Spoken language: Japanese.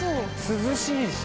涼しいし。